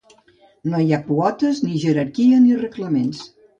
No hi ha quotes, ni jerarquia, ni reglaments.